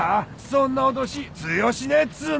そんな脅し通用しねえっつうの！